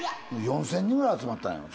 ４０００人ぐらい集まったんよ。